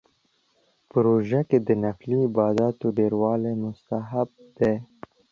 په روژه کې د نفلي عباداتو ډیروالی مستحب دی